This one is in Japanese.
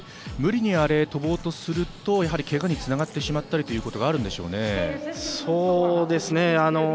無理に跳ぼうとするとけがにつながってしまったりということがあるんでしょうね。